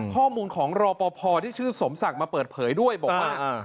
ข้อมูลของรอปภที่ชื่อสมศักดิ์มาเปิดเผยด้วยบอกว่า